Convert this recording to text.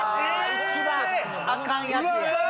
一番アカンやつや。